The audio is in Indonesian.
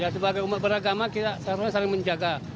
sebagai umat beragama kita seharusnya saling menjaga